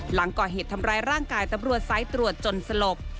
หลังก่อเหตุทำร้ายร่างกายตำรวจสายตรวจจนสลบ